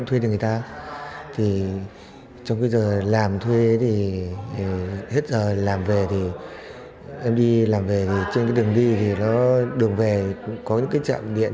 thì trong cái giờ làm thuê thì hết giờ làm về thì em đi làm về thì trên cái đường đi thì nó đường về có những cái trạm điện